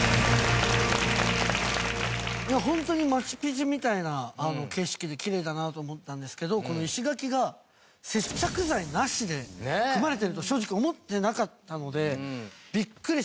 ホントにマチュピチュみたいな景色できれいだなと思ったんですけどこの石垣が接着剤なしで組まれてると正直思ってなかったのでビックリしましたね。